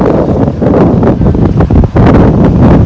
สวัสดีครับ